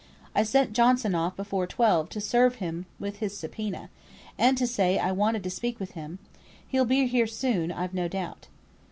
"I sent Johnson off before twelve to serve him with his sub poena, and to say I wanted to speak with him; he'll be here soon, I've no doubt."